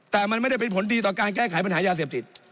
แต่มันไม่ได้เป็นผลดีต่อการแก้ไขปัญหายาเสพติด